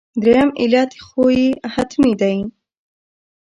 درېیم علت یې خو حتمي دی.